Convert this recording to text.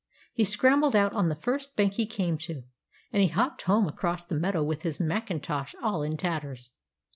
He scrambled out on the first bank he came to, and he hopped home across the meadow with his macintosh all in tatters.